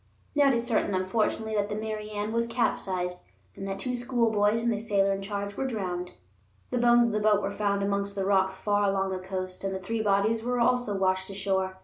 Now it is certain, unfortunately, that the Mary Ann was capsized and that two schoolboys and the sailor in charge were drowned. The bones of the boat were found amongst the rocks far along the coast, and the three bodies were also washed ashore.